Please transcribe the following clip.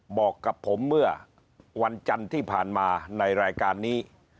บอกกับผมเมื่อวันจันทร์ที่ผ่านมาในรายการนี้